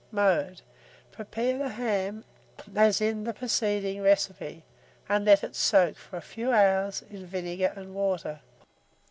Mode. Prepare the ham as in the preceding recipe, and let it soak for a few hours in vinegar and water.